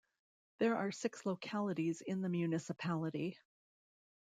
There are six localities in the municipality.